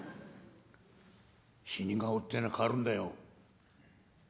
「死に顔ってえのは変わるんだよ」。